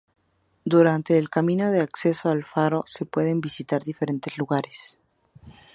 Durante el camino de acceso al faro se pueden visitar diferentes lugares.